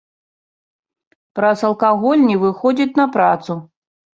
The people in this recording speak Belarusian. Праз алкаголь не выходзяць на працу.